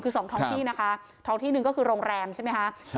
คือสองท้องที่นะคะท้องที่หนึ่งก็คือโรงแรมใช่ไหมคะ